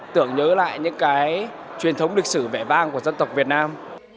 tưởng nhớ lại những cái truyền thống lịch sử vẻ vang của dân tộc việt nam